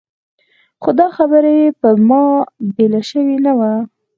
خو دا خبره یې پر ما بېله شوې نه وه.